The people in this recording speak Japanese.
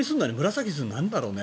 紫にするのかななんだろうね。